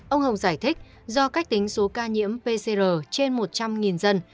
ông hồng giải thích do cách tính số ca nhiễm pcr trên một trăm linh dân